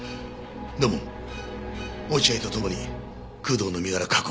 土門落合とともに工藤の身柄確保だ。